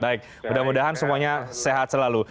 baik mudah mudahan semuanya sehat selalu